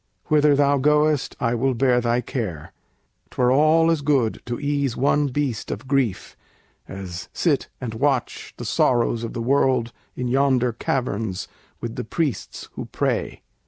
Whither thou goest I will bear thy care; 'Twere all as good to ease one beast of grief As sit and watch the sorrows of the world In yonder caverns with the priests who pray."